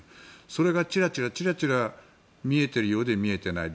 それが、ちらちら見えているようで見えていない。